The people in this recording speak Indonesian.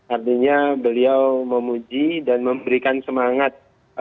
artinya beliau memuji dan memberikan semangat